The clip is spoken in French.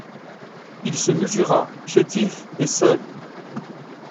Il se mesura chétif et seul.